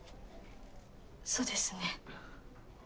そうですね。